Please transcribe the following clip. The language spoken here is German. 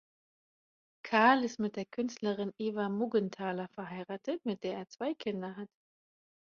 Kahl ist mit der Künstlerin Eva Muggenthaler verheiratet, mit der er zwei Kinder hat.